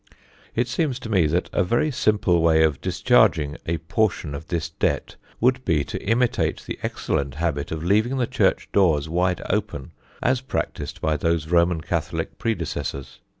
It seems to me that a very simple way of discharging a portion of this debt would be to imitate the excellent habit of leaving the church doors wide open, as practised by those Roman Catholic predecessors.